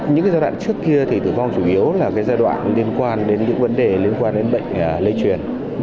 những giai đoạn trước kia thì tử vong chủ yếu là giai đoạn liên quan đến những vấn đề liên quan đến bệnh lây truyền